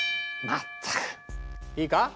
まったくいいか？